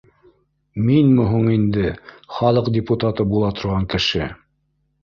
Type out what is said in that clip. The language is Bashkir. Минме һуң инде халыҡ депутаты була торған кеше